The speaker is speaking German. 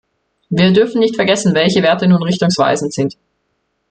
Wir dürfen nicht vergessen, welche Werte nun richtungsweisend sind.